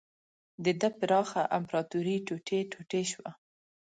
د ده پراخه امپراتوري ټوټې ټوټې شوه.